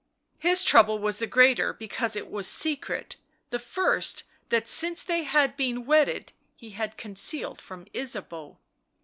His trouble was the greater because it was secret, the first that, since they had been wedded, he had concealed from Ysabeau.